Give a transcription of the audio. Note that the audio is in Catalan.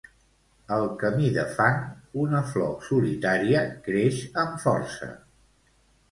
Al camí de fang, una flor solitària creix amb força.